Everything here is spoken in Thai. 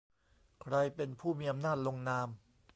ใครเป็นผู้มีอำนาจลงนาม